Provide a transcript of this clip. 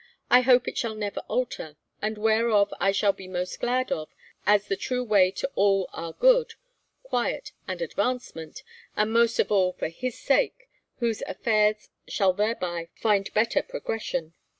I hope it shall never alter, and whereof I shall be most glad of, as the true way to all our good, quiet, and advancement, and most of all for His sake whose affairs shall thereby find better progression.'